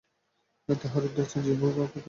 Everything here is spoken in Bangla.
তাহারও ঊর্ধ্বে আছে জীব বা প্রকৃত মানুষ।